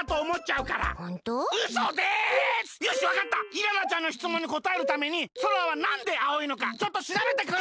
イララちゃんのしつもんにこたえるために空はなんで青いのかちょっとしらべてくる！